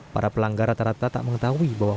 para pelanggar rata rata tak mengetahui bahwa